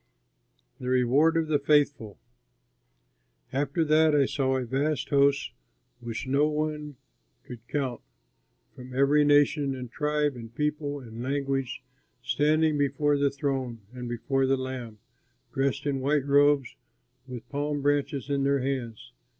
THE REWARD OF THE FAITHFUL After that I saw a vast host, which no one could count, from every nation and tribe and people and language, standing before the throne and before the Lamb, dressed in white robes, with palm branches in their hands.